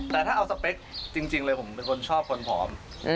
แต่ถ้าเอาสเปคจริงเลยผมเป็นคนชอบคนผอม